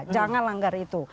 jangan langgar itu